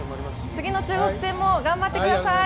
次の中国戦も頑張ってください。